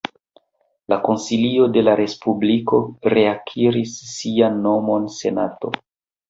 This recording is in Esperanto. La Konsilio de la Respubliko reakiris sian nomon Senato.